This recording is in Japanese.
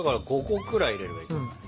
５個くらい入れればいいかな。